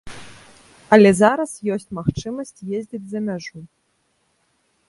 Але зараз ёсць магчымасць ездзіць за мяжу.